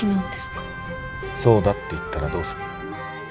そうだって言ったらどうする？